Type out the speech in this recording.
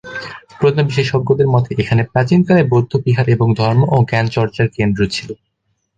প্রত্ন বিশেষজ্ঞদের মতে এখানে প্রাচীনকালে বৌদ্ধ বিহার এবং ধর্ম ও জ্ঞান চর্চার কেন্দ্র ছিল।